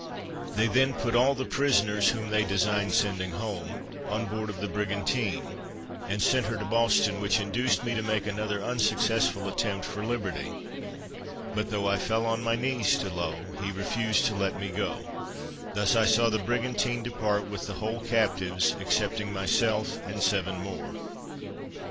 They then put all the prisoners, whom they designed sending home, on board of the brigantine, and sent her to Boston, which induced me to make another unsuccessful attempt for liberty; but though I fell on my knees to Low, he refused to let me go: thus I saw the brigantine depart, with the whole captives, excepting myself and seven more.